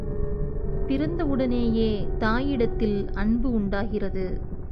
பிறந்தவுடனேயே தாயிடத்தில் அன்பு உண்டாகிறது.